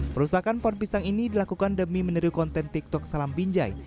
perusahaan pohon pisang ini dilakukan demi menerima konten tiktok salam pinjai